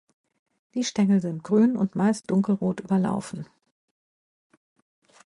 Die Stängel sind grün und meist dunkelrot überlaufen.